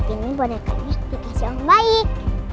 ini bonekanya dikasih orang baik